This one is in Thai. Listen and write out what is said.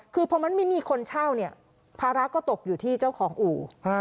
คือพอมันไม่มีคนเช่าเนี่ยภาระก็ตกอยู่ที่เจ้าของอู่